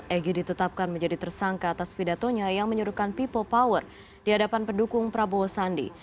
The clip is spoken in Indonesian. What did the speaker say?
egy ditetapkan menjadi tersangka atas pidatonya yang menyuruhkan people power di hadapan pendukung prabowo sandi